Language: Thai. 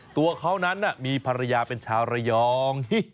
ตัวเขานั้นมีภรรยาเป็นชาวระยอง